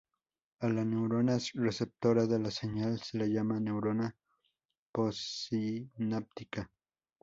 A la neurona receptora de la señal se le llama neurona postsináptica.